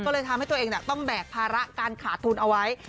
ก็เลยทำให้ตัวเองต้องแบกภาระการขาดทุนเอาไว้